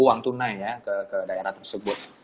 uang tunai ya ke daerah tersebut